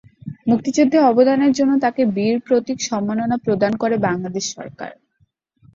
মুক্তিযুদ্ধে অবদানের জন্য তাকে বীর প্রতীক সম্মাননা প্রদান করে বাংলাদেশ সরকার।